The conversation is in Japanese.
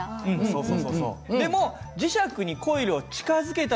そうそうそうそう。